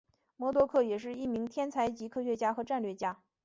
魔多客也是一名天才级科学家和战略家。